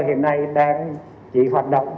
hiện nay đang chỉ hoạt động